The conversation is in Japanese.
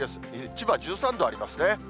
千葉１３度ありますね。